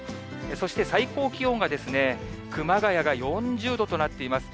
そして最高気温が熊谷が４０度となっています。